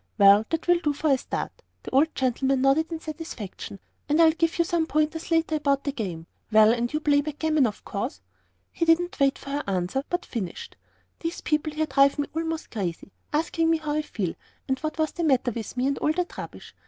"Well, that will do for a start," the old gentleman nodded in satisfaction. "And I'll give you some points later on about the game. Well, and you play backgammon, of course." He didn't wait for her to answer, but finished, "These people here drive me almost crazy, asking me how I feel, and what was the matter with me, and all that rubbish.